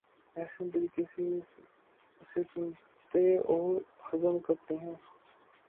احسن طریقے سے اسے سنتے اور ہضم کرتے ہیں۔